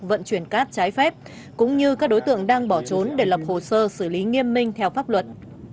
vận chuyển cát trái phép cũng như các đối tượng đang bỏ trốn để lập hồ sơ xử lý nghiêm minh theo pháp luật